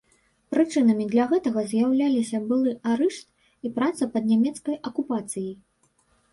Прычынамі для гэтага з'яўляліся былы арышт і праца пад нямецкай акупацыяй.